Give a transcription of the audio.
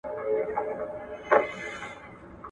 پر سیاسي علمي څېړنو بې ځایه شک مه کوئ.